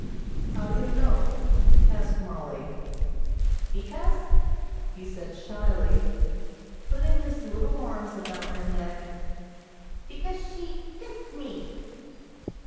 "How do you know?" asked Mollie. "Because," he said shyly, putting his little arms about her neck, "because she kissed me."